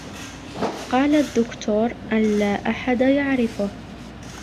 قال الدكتور ان لا احد يعرفه